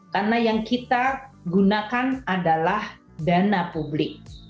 karena yang kita gunakan adalah dana publik